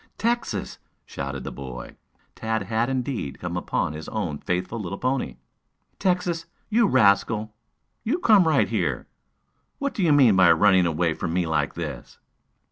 "Texas!" shouted the boy. Tad had indeed come upon his own faithful little pony. "Texas, you rascal, you come right here. What do you mean by running away from me like this?"